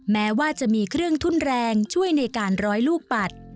แม้ว่าจะมีเครื่องทุ่นแรงช่วยในการร้อยลูกปัด